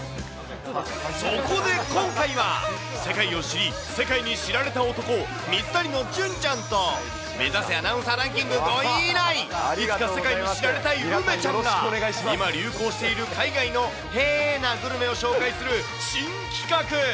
そこで今回は、世界を知り、世界に知られた男、水谷の隼ちゃんと、目指せアナウンサーランキング５位以内、いつか世界に知られたい梅ちゃんが、今流行している海外のへぇなグルメを紹介する新企画。